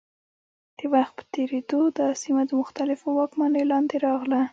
د وخت په تېرېدو دا سیمه د مختلفو واکمنیو لاندې راغله.